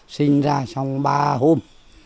sinh ra trong ba hôm